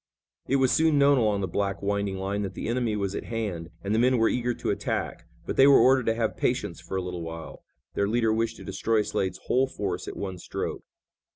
It was soon known along the black, winding line that the enemy was at hand, and the men were eager to attack, but they were ordered to have patience for a little while. Their leader wished to destroy Slade's whole force at one stroke.